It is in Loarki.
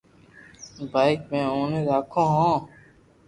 ڀآٺڪ مي اوني راکو ھون